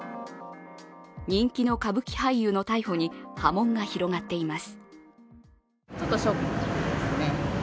人気の歌舞伎俳優の逮捕に波紋が広がっています。